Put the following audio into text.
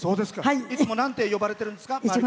いつもなんて呼ばれてるんですか？